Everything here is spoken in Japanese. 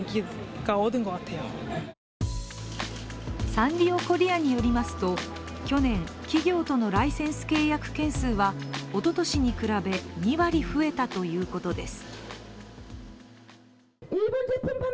サンリオコリアによりますと、去年、企業とのライセンス契約件数はおととしに比べ、２割増えたということです。